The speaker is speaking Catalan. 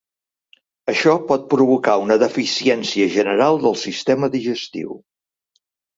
Això pot provocar una deficiència general del sistema digestiu.